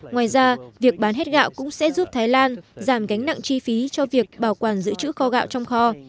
ngoài ra việc bán hết gạo cũng sẽ giúp thái lan giảm gánh nặng chi phí cho việc bảo quản giữ chữ kho gạo trong kho